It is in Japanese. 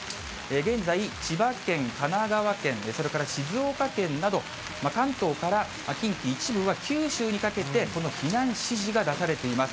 現在、千葉県、神奈川県、それから静岡県など、関東から近畿一部は、九州にかけて、この避難指示が出されています。